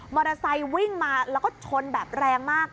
มอเตอร์ไซค์วิ่งมาแล้วก็ชนแบบแรงมาก